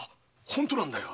本当なんだよ。